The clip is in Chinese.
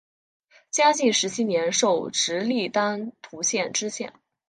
嘉靖十七年授直隶丹徒县知县。